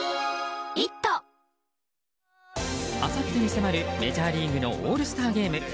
あさってに迫るメジャーリーグのオールスターゲーム。